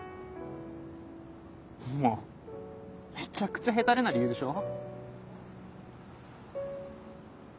もうめちゃくちゃヘタレな理由でしょ？